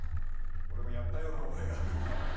俺もやったような覚えがあるよ。